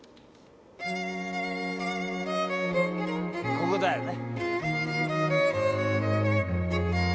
ここだよね